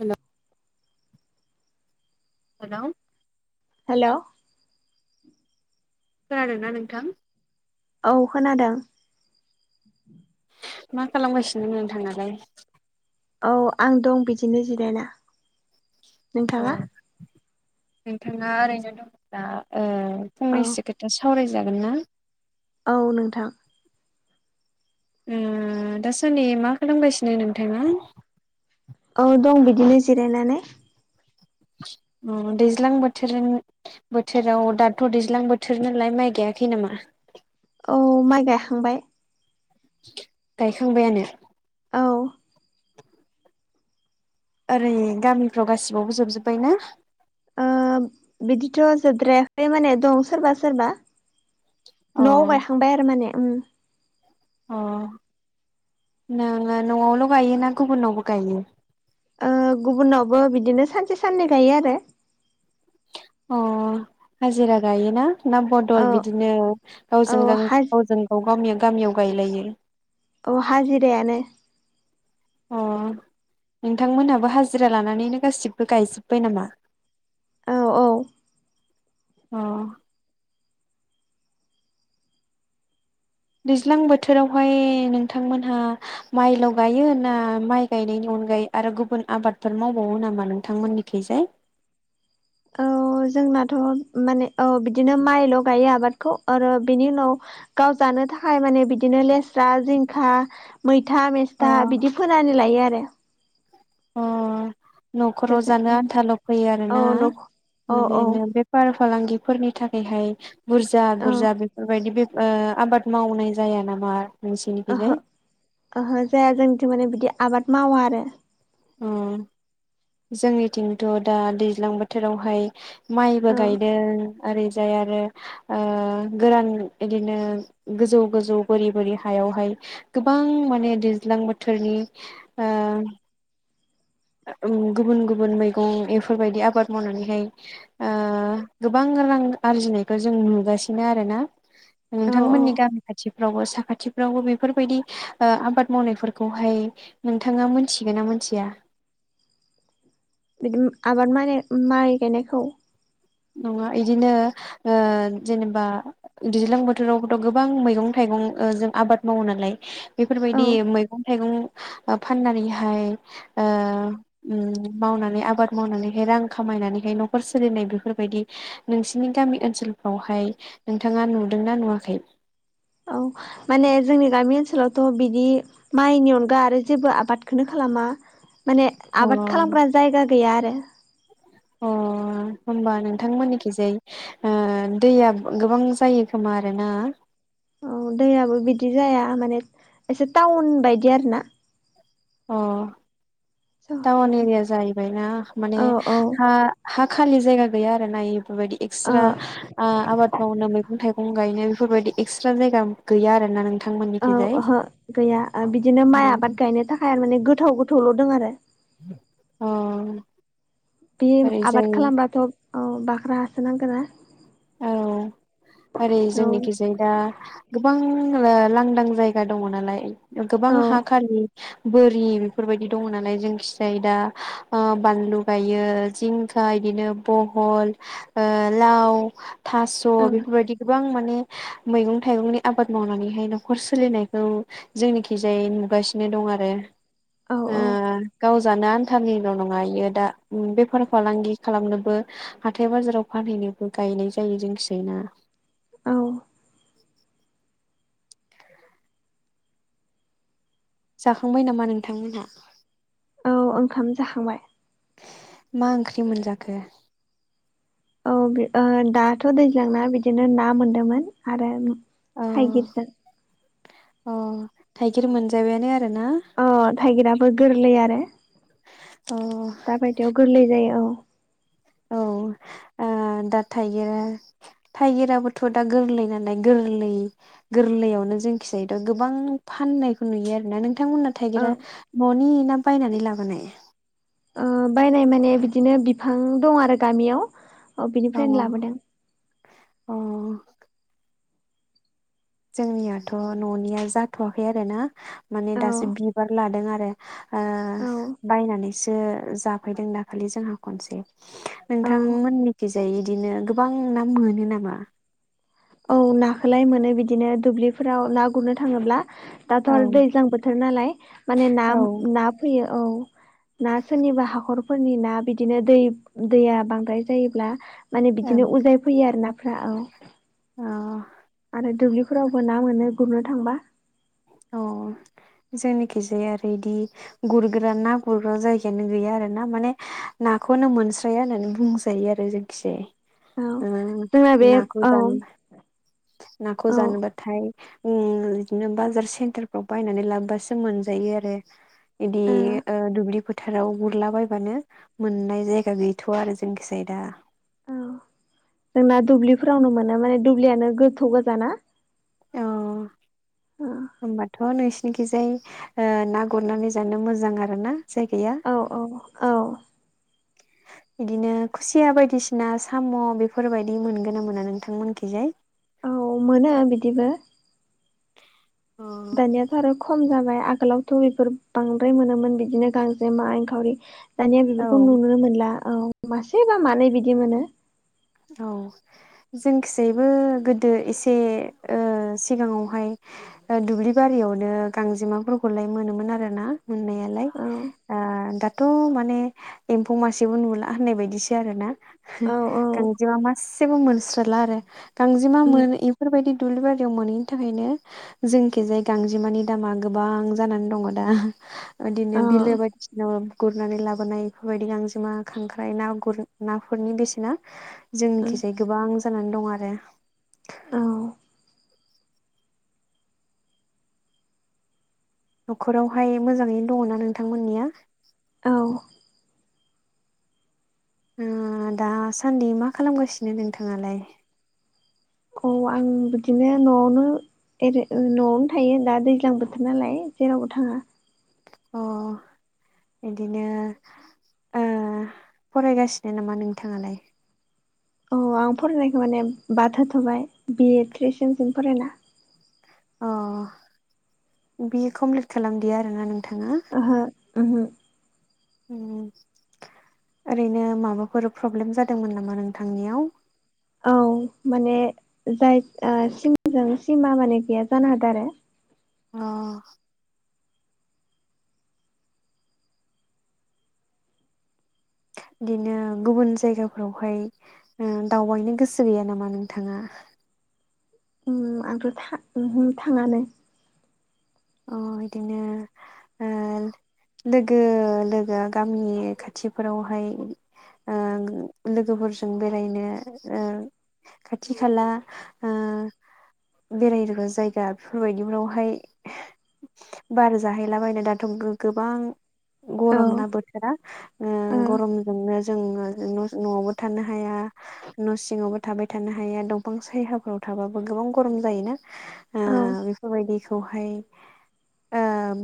हेल' hello hello खोनादों ना नोंथां? औ खोनादों। मा खालामगासिनो नोंथांङालाय औ आं दं बिदिनो जिरायना औ नोंथाङा नोंथाङा ओरैनो दंओब्ला औ फंनैसो खोथा सावरायजागोन ना औ नोंथां दासनि मा खालामगासिनो नोंथाङा औ दं बिदिनो जिरायनानै दैज्लां बोथोरनि बोथोराव दाथ' दैज्लां बोथोर नलाय माइ गायाखै नामा औ माइ गायखांबाय गायखांबायानो औ ओरै गामिफ्राव गासिबावबो जोबजोब्बाय ना बिदिथ' जोबद्रायाखै माने दं सोरबा सोरबा अ न'आव गायखांबाय आरो माने अ नोङो न'आवल' गायो ना गुबुनावबो गायो गुबुनावबो बिदिनो सानसे साननै गायो आरो अ हाजिरा गायोना ना बदल औ बिदिनो गावजों औ हा गावजों गाव गामियाव गायलायो अ हाजिरायानो अ नोंथांमोनहाबो हाजिरा लानानैनो गासिबो गायजोब्बाय नामा औ औ अ दैज्लां बोथोरावहाय नोंथांमोनहा माइल' गायो ना माइ गायनायनि अनगायै आरो गुबुन आबादफोर मावबावो नामा नोंथांमोननिखैजाय औ जोंनाथ' माने औ बिदिनो माइल' गायो आबादखौ आरो बेनि उनाव गाव जानो थाखाय माने बिदिनो लेस्रा जिंखा मैथा अ मेस्था बिदि फोनानै लायो आरो अ न'खराव जानो आन्थाल' फैयो औ आरोना नख औ बि औ दिनो बे बेफार फालांगिफोरनि थाखायहाय बुरजा औ बुरजा बेफोरबायदि बे आबाद मावनाय जाया नामा ओहो नोंसिनिखैजाय ओहो जाया जोंथ' माने बिदि आबाद मावा आरो जोंनिथिंथ' दा दैज्लां बोथोरावहाय माइबो औ गायदों ओरैजाय आरो गोरान बिदिनो गोजौ गोजौ बोरि बोरि हायावहाय गोबां माने दैज्लां बोथोरनि गुबुन गुबुन मैगं बेफोरबायदि आबाद मावनानैहाय गोबां रां आरजिनायखौ जों नुगासिनो आरोना औ औ नोंथांमोननि गामि खाथि फोरावबो साखाथिफ्रावबो बेफोरबायदि आबाद मावनायफोरखौहाय नोंथाङा मिथिगोना मिथिया बिदि आबाद माने माइ गायनायखौ नङा इदिनो जेनेबा दैज्लां बोथोरावथ' गोबां मैगं थाइगं जों आबाद मावो नालाय बेफोरबायदि औ मैगं थाइगं फाननानैहाय मावनानै आबाद मावनानैहाय रां खामायनानैहाय न'खर सोलिनाय बेफोर बेबायदि नोंसिनि गामि ओनसोलफ्रावहाय नोंथाङा नुदोंना नुवाखै औ माने जोंनि गामि ओनसोलावथ' बिदि माइनि अनगा आरो जेबो आबादखौनो खालामा माने आबाद अ खालामग्रा जायगा गैया आरो अ होमबा नोंथांमोननिखिजाय ओ दैया गोबां जायो खोमा आरोना? औ दैयाबो बिदि जाया माने एसे टाउन बायदि आरो ना अ औ टाउन एरिया जाहैबायना माने औ हा- हा खालि जायगा गैया आरोना बेफोरबायदि ओ एक्सट्रा आ-आबाद मावनो मैगं थाइगं गायनो बेफोरबायदि एक्सट्रा जायगा गैया आरोना नों औ ओहो गैया ओ बिदिनो माइ अ आबाद गायनो थाखाय आरो माने गोथाव गोथौल' दं आरो अ बे आबाद ओरैजाय खालामबाथ' औ बाख्रा हासोनांगोना औ ओरै औ जोंनिखिजाय दा गोबां ओ लांदां जायगा दङ नालाय गोबां औ हाखालि बोरि बेफोरबायदि दङ नालाय जोंखि जाय दा ओ बानलु गायो जिं बिदिनो बहल ओ लाव थास' औ बेफोरबायदि गोबां माने मैगं थाइगंनि आबाद मावनानैहाय न'खर सोलिनायखौ जोंनिखिजाय नुगासिनो दं आरो औ ओ गावजानो आन्थालनिल' नङा बियो दा बेफार फालांगि खालामनोबो हाथाय बाजाराव फानहैनोबो गायनाय जायो जोंखिजायना औ जाखांबाय नामा नोंथांमोनहा? औ ओंखाम जाखांबाय मा ओंख्रि मोनजाखो? औ ओ दाथ' दैज्लांना बिदिनो ना मोनदोंमोन आरो थाइगिरजों अ थाइगिर मोनजाबायानो आरो ना अ थाइगिराबो गोरलै आरो ओ दााबायदियाव गोरलै जायो औ औ ओ दा थाइगिरा थाइगिराबोथ' दा गोरलै नालाय गोरलै गोरलैयावनो जोंखिजायथ' गोबां फाननायखौ नुयो आरोना नों नोंथांमोना औ थाइगिरा न'नि ना बायनानै लाबोनाय? ओ बायनाय माने बिदिनो बिफां दं आरो गामियाव ओ बिनिफ्रायनो लाबोदों अ जोंनियाथ' न'निया जाथ'वाखै आरो ना माने औ दासो बिबार लादों आरो ओ औ बायनानैसो जाफैदों दाखालि जोंहा खनसे औ नोंथांमोननिखिजाय इदिनो गोबां ना मोनो नामा? औ नाखौलाय मोनो बिदिनो दुब्लिफोराव ना गुरनो थाङोब्ला दाथ' औ आरो दैज्लां बोथोर नालाय माने ना औ ना फैयो औ ना सोरनिबा हाखरफोरनि ना बिदिनो दै- दैया बांद्राय जायोब्ला माने औ बिदिनो उजाय फैयो आरो नाफ्रा औ अ आरो दुब्लिफोरावबो ना मोनो गुरनो थांबा अ जोंनिखि जाय आरो इदि गुरग्रा ना गुरग्रा जायगायानो गैया आरो ना माने नाखौनो मोनस्राया होननानै बुंजायो आरो जों खिजाय औ ओ जोंना बे नाखौ औ जानो औ नाखौ ओ जानोबा थाइ ओम बिदिनो बाजार सेन्टारफ्राव बायनानै लाबासो मोनजायो आरो इदि औ ओ दुब्लि फोथाराव गुरलाबायबानो मोननाय जायगा गैथ'या आरो जोंखिजाय दा औ जोंना दुब्लिफोरावनो मोनो माने दुब्लियानो गोथौ गोजाना औ। औ होमबाथ' नोंसिनिखिजाय ना गुरनानै जानो मोजां आरो ना जायगाया। औ औ औ। [inaudible] बिदिनो खुसिया बायदिसिना साम' बेफोरबायदि मोनगोन ना मोना नोंथांमोनखिजाय। औ मोनो बिदिबो। अ धन्य आरो खम जाबाय आगोलावथ' बेफोर बांद्राय मोनोमोन बिदिनो गांजे मा एनखावरि। दानिया औ बेफोरखौ नुनो मोनला औ मासे बा मानै बिदि मोनो। औ। जोंखिसायबो गोदो एसे सिगाङावहाय दुब्लि बारियावनो गांजेमाफोरखौलाय मोनोमोन आरो ना मोननाय आरो। औ आ दा। दाथ' माने एम्फौ मासेबो नुला होननाय बायदिसो आरो ना। औ औ गांजेमा मासेबो मोनस्रला आरो। गांजेमा उम मोन बेफोरबायदि दुब्लि बारियाव मोनैनि थाखायनो जोंखिजाय गांजेमानि दामा गोबां जानानै दङ दा बिदिनो औ बिलो बायदिसिनाव। गुरनानै लाबोनाय बेफोरबायदि गांजेमा खांख्राइ ना गुर नाफोरनि बेसेना उम जोंनिखिजायै गोबां जानानै दं आरो। औ न'खरावहाय मोजाङैनो दङना नोंथांमोननिया औ। दासान्दि मा खालामगासिनो नोंथाङालाय। औ आं बिदिनो न'आवनो रै न'आवनो थायो दा दैज्लां बोथोर नालाय जेरावबो थाङा अ बिदिनो फरायगासिनो नामा नोंथाङालाय औ आं फरायनायखौ माने बाद होथ'बाय बिए थट्रिस जनसिम फरायना अ बि कमप्लिट खालामदि आरोना नोंथाङा। ओ ओरैनो माबाफोर प्रब्लेम जादोंमोन नामा नोंथांनियाव। औ माने जाय सिमाजों सिमा माने गैया जानो हादों आरो। अ बिदिनो गुबुन जायगाफोरावहाय दावबायनो गोसो गैया नामा नोंथाङा? आंथ' थ थाङानो बिदिनो लोगो लोगो गामि खाथिफोरावहाय। लोगोफोरजों बेरायनो। खाथि खाला। बेरायनो्रा जायगा बेफोर बायदिफोरनावहाय बार जाहैलाबायनो दाथ' गोबां औ गरमनाा बोथोरा। ओ गरमजोंनो जोङो न'आवबो थानो हाया। न' सिङावबो थाबाय थानो हाया दंफां सायहाफोराव थाबाबो गोबां गरम जायोना। औ बेफोरबायदिखौहाय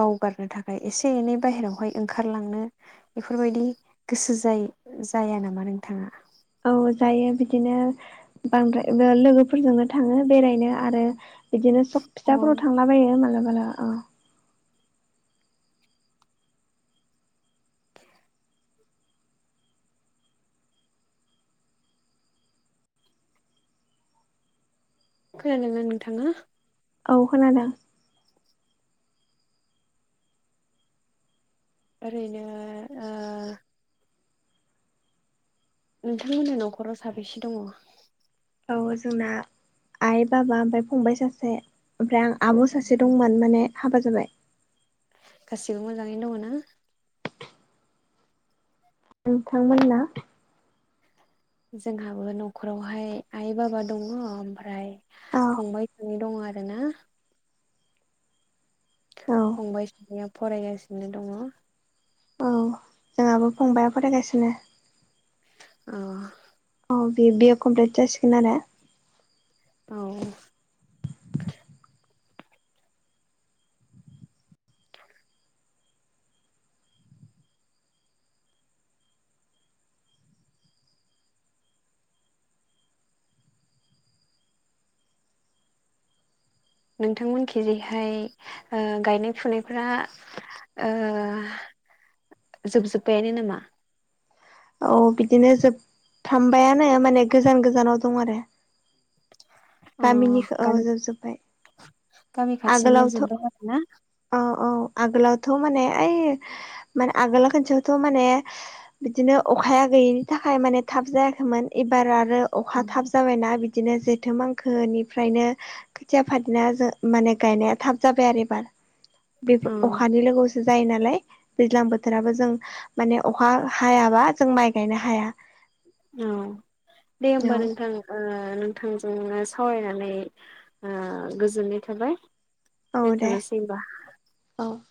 बावगारनो थाखाय एसे एनै बाहहेरायावहाय ओंखारलांनो बेफोरबायदि गोसो जायो जाया नामा नोंथाङा? औ जायो बिदिनो बांद्राय लोगोफोरजोंनो थाङो बेरायनो आरो। बिदिनो सब अ फिसाफोराव थांलाबायो माबलाबाला। खोन लङा नोंथाङा? औ खोनादों। ओरैनो ओ नोंथांमोनहा न'खराव साबेसे दङ औ जोंना आइ बाबा ओमफ्राय फंबाय सासे ओमफ्राय आं आब सासे दंमोन माने हाबा जाबाय गासिबो मोजाङैनो दङना नोंथांमोनना जोंहाबो न'खरावहाय आइ बाबा दङ ओमफ्राय औ फंबाय दङ आरोना औ औ फंबाय सानैया फरायगासिनो दङ जोंहाबो फंबाया फरायगासिनो अ औ बि बि ए कमप्लिद जासिगोन आरोे औ नोंथांमोनखैजैहाय गायनाय फुनायफ्रा ओ जोबजोबबायानो नामा औ बिदिनो जोबफ्रामबायानो माने गोजान गोजानाव दं आरो अ गामिनिखो औ गामि जोबजोब्बाय गामि खाथिनिया आगोलावथ' जोबबाय आरोना औ औ आगोलावथ माने ओइ माने आगोल खोनसेयावथ माने बिदिनो अखाया गैयिनि थाखाय माने थाब जायाखैमोन एबार आरो अखा अ थाब जाबायना बिदि बिदिनो जेथो मांखोनिफ्रायनो खोथिया फादना ज माने गायनाया थाब जाबाय आरो एबार बे अ अखानि लोगोआवसो जायोनालाय दैज्लां बोथोराबो जों माने अखा हायाबा जों माइ गायनो हाया औ दे होमबा औ नोंथां ओ नोंथांजोंनो सावरायनानै ओ गोजोननाय थाबाय औ दे दथनोसै होनबा औ